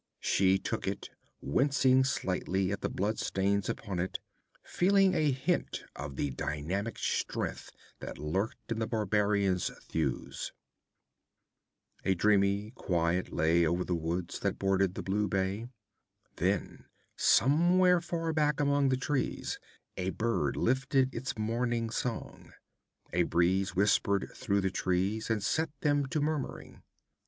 She took it, wincing slightly at the bloodstains upon it, feeling a hint of the dynamic strength that lurked in the barbarian's thews. A dreamy quiet lay over the woods that bordered the blue bay. Then somewhere, far back among the trees, a bird lifted its morning song. A breeze whispered through the leaves, and set them to murmuring.